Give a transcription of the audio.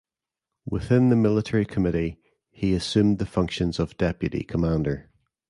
Within the military committee he assumed the functions of deputy commander.